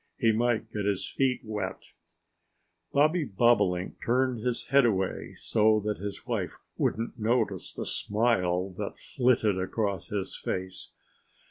He might get his feet wet!" Bobby Bobolink turned his head away so that his wife wouldn't notice the smile that flitted across his face.